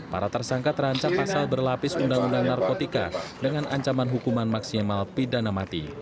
para tersangka terancam pasal berlapis undang undang narkotika dengan ancaman hukuman maksimal pidana mati